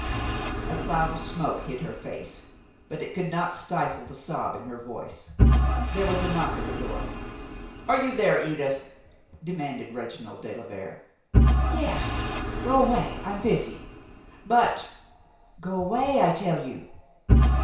A cloud of smoke hid her face; but it could not stifle the sob in her voice. There was a knock at the door. "Are you there, Edith?" demanded Reginald de la Vere. "Yes. Go away! I'm busy." "But " "Go away, I tell you!"